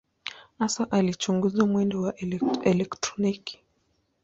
Hasa alichunguza mwendo wa elektroni.